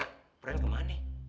nya pren ke mana